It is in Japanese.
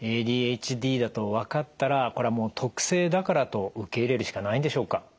ＡＤＨＤだと分かったらこれはもう特性だからと受け入れるしかないんでしょうか？